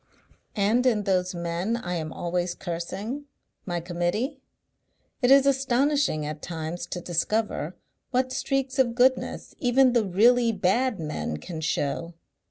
And in those men I am always cursing, my Committee, it is astonishing at times to discover what streaks of goodness even the really bad men can show....